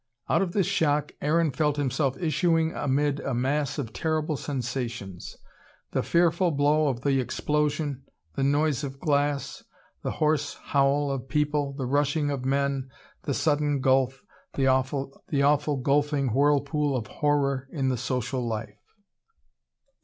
Out of this shock Aaron felt himself issuing amid a mass of terrible sensations: the fearful blow of the explosion, the noise of glass, the hoarse howl of people, the rushing of men, the sudden gulf, the awful gulfing whirlpool of horror in the social life.